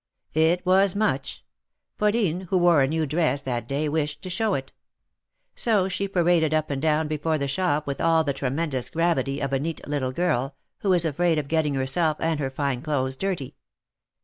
It was Much. Pauline, who wore a new dress that day, wished to show it. So she paraded up and down before the shop with all the tremendous gravity of a neat little girl, who is afraid of getting herself and her fine clothes dirty.